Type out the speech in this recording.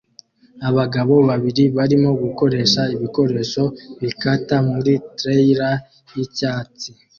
Abagabo babiri barimo gukoresha ibikoresho bikata muri trailer yicyatsi